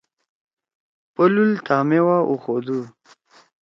پلُول تھامے وا اُخودُو۔